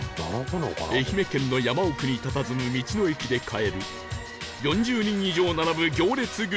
愛媛県の山奥にたたずむ道の駅で買える４０人以上並ぶ行列グルメとは？